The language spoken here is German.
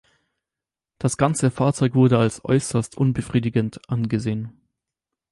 Das ganze Fahrzeug wurde als äußerst unbefriedigend angesehen.